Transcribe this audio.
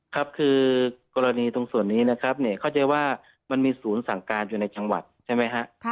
ครับคือกรณีตรงส่วนนี้นะครับเนี่ยเข้าใจว่ามันมีศูนย์สั่งการอยู่ในจังหวัดใช่ไหมฮะ